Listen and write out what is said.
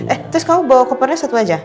eh terus kamu bawa kopernya satu aja